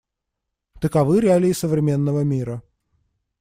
Таковы реалии современного мира.